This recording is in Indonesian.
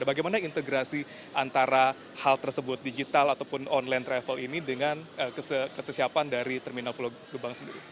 bagaimana integrasi antara hal tersebut digital ataupun online travel ini dengan kesesiapan dari terminal pulau gebang sendiri